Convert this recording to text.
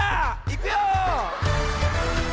いくよ！